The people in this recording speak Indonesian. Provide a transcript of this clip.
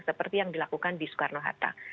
seperti yang dilakukan di soekarno hatta